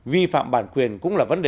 vi phạm bản quyền cũng là vấn đề